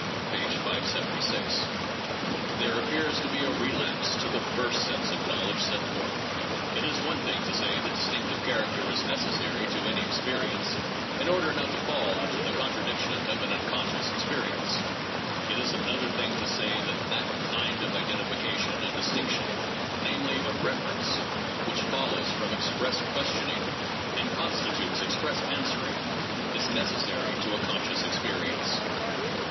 (p. 576), there appears to 656 THE JOURNAL OF PHILOSOPHY be a relapse to the first sense of knowledge set forth. It is one thing to say that distinctive character is necessary to any experience, in order not to fall into the contradiction of an unconscious experience ; it is another thing to say that that kind of identification and distinc tion, namely, of reference, which follows from express questioning and constitutes express answering, is necessary to a conscious experi ence.